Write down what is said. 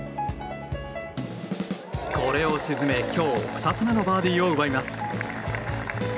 これを沈め、今日２つ目のバーディーを奪います。